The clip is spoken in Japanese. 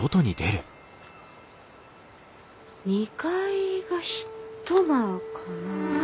２階が１間かな？